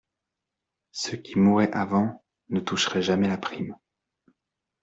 Ceux qui mourraient avant ne toucheraient jamais la prime.